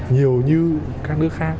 nhiều như các nước khác